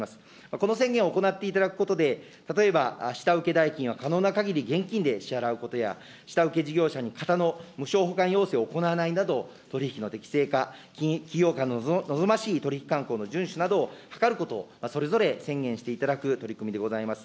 この宣言を行っていただくことで、例えば下請け代金は可能なかぎり現金で支払うことや、下請け事業者の方の無償を行わないなど、取り引きの適正化、企業間の望ましい取引かんこう、順守などを図ることをそれぞれ宣言していただく取り組みでございます